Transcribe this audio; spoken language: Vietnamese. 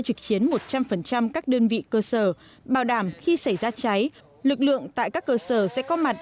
trực chiến một trăm linh các đơn vị cơ sở bảo đảm khi xảy ra cháy lực lượng tại các cơ sở sẽ có mặt